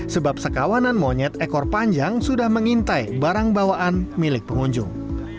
sebab sekawanan monyet ekor panjang sudah mengintai barang bawaan milik pengunjung